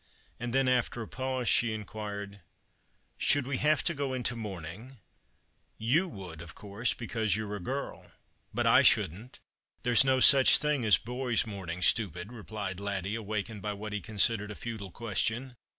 And then, after a pause, she inquired, " Should we have to go into mourning ?"" You would, of course, because you're a girl. But I shouldn't. There's no such thing as boy's mourning, stupid," replied Laddie, awakened by what he considered a futile question.